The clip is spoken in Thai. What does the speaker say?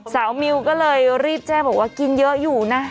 สาวมิวก็เลยรีบแจ้งบอกว่ากินเยอะอยู่นะ